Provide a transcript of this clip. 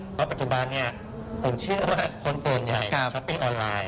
เพราะปัจจุบันนี้ผมเชื่อว่าคนส่วนใหญ่ช้อปปิ้งออนไลน์